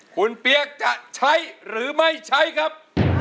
คุณเปี๊ยกจะใช้หรือไม่ใช้ครับ